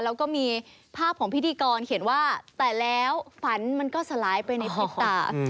แล้วก็มีภาพของพิธีกรเขียนว่าแต่แล้วฝันมันก็สลายไปในพริบตา